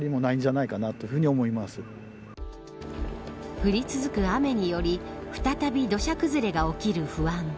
降り続く雨により再び土砂崩れが起きる不安。